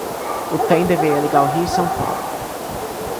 O trem deveria ligar o Rio e São Paulo.